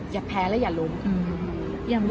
อย่าแพ้และอย่าลง